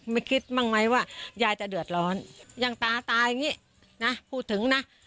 ไม่คิดบ้างไหมว่ายายจะเดือดร้อนอย่างตาตาอย่างนี้นะพูดถึงนะ